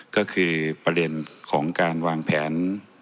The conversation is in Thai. ก็คือประเด็นของการวางแผน